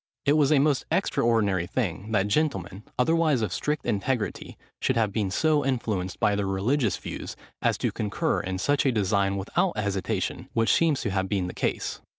It was a most extraordinary thing, that gentlemen, otherwise of strict integrity, should have been so influenced by their religious views, as to concur in such a design without hesitation, which seems to have been the case.